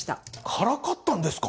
からかったんですか！？